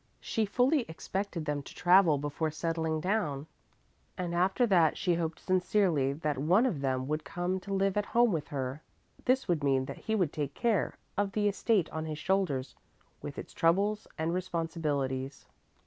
She fully expected them to travel before settling down, and after that she hoped sincerely that one of them would come to live at home with her; this would mean that he would take the care of the estate on his shoulders with its troubles and responsibilities.